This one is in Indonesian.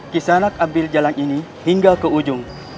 kisanak ambil jalan ini hingga ke ujung